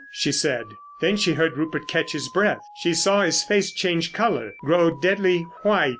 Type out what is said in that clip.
she said. Then she heard Rupert catch his breath, she saw his face change colour, grow deadly white.